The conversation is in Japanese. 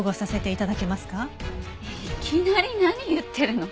いきなり何言ってるの？